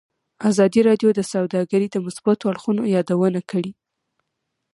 ازادي راډیو د سوداګري د مثبتو اړخونو یادونه کړې.